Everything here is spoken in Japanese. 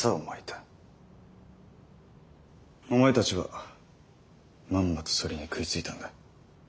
お前たちはまんまとそれに食いついたんだ。